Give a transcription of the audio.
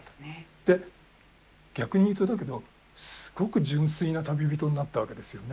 で逆に言うとだけどすごく純粋な旅人になったわけですよね。